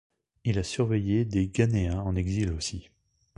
Il a surveillé des Ghanéens en exil aussi.